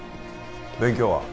勉強は？